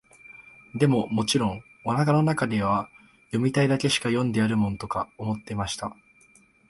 でも、もちろん、お腹の中では、読みたいだけしか読んでやるもんか、と思っていました。